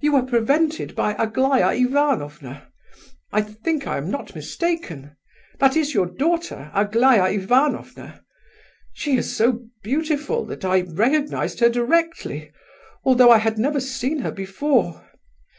"You were prevented by Aglaya Ivanovna. I think I am not mistaken? That is your daughter, Aglaya Ivanovna? She is so beautiful that I recognized her directly, although I had never seen her before.